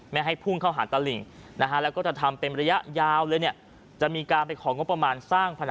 ไม่ให้พุ่งเข้าหาตลิ่งนะฮะ